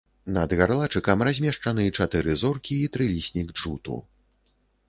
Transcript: Над гарлачыкам размешчаны чатыры зоркі і трыліснік джуту.